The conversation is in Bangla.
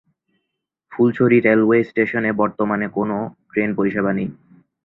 ফুলছড়ি রেলওয়ে স্টেশনে বর্তমানে কোন ট্রেন পরিষেবা নেই।